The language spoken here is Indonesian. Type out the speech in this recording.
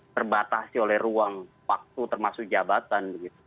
terbatasi oleh ruang waktu termasuk jabatan